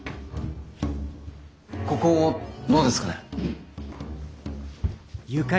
ここどうですかね？